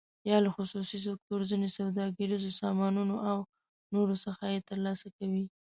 یا له خصوصي سکتور، ځینو سوداګریزو سازمانونو او نورو څخه یې تر لاسه کوي.